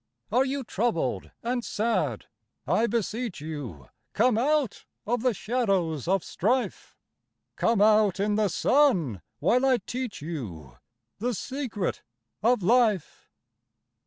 Are you troubled and sad? I beseech you Come out of the shadows of strife— Come out in the sun while I teach you The secret of life.